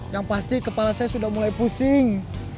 yang pasti kepala saya sudah mulai pusing